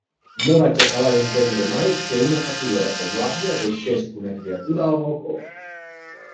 No vaig acabar d'entendre mai que una patidora com l'àvia deixés una criatura al balcó.